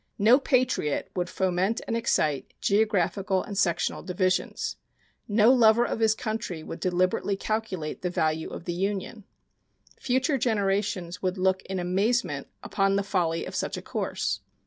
No patriot would foment and excite geographical and sectional divisions. No lover of his country would deliberately calculate the value of the Union. Future generations would look in amazement upon the folly of such a course.